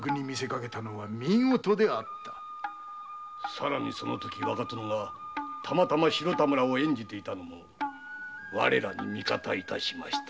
更にその時若殿が『白田村』を演じていたのも我らに味方致しましたな。